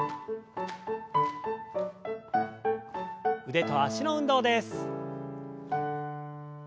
腕と脚の運動です。